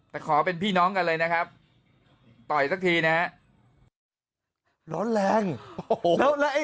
แต่ขอเป็นพี่น้องกันเลยนะครับปล่อยสักทีนะร้อนแรงแล้ว